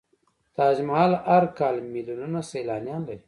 تاج محل هر کال میلیونونه سیلانیان لري.